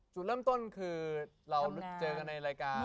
จุดเริ่มต้นคือเราเจอกันในรายการ